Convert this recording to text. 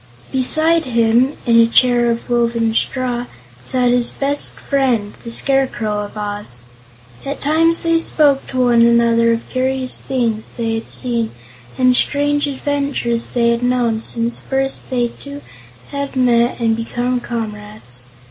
Beside him, in a chair of woven straw, sat his best friend, the Scarecrow of Oz. At times they spoke to one another of curious things they had seen and strange adventures they had known since first they two had met and become comrades.